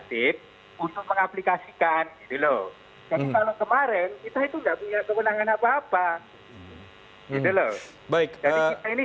kita juga bisa berikan kepadanya jadi kalau kemarin kita itu enggak punya kepadanya